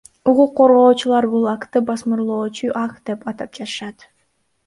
Укук коргоочулар бул актты басмырлоочу акт деп атап жатышат.